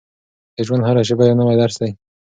د ژوند هره شېبه یو نوی درس دی.